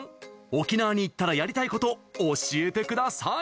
沖縄に行ったら、やりたいこと教えてください！